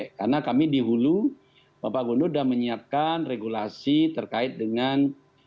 karena kami dihulu bapak gubernur sudah menyiapkan regulasi terkait dengan